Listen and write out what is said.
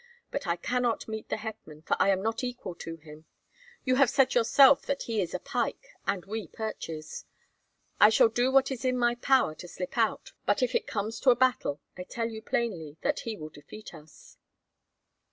But I cannot meet the hetman, for I am not equal to him. You have said yourself that he is a pike and we perches. I shall do what is in my power to slip out, but if it comes to a battle, I tell you plainly that he will defeat us."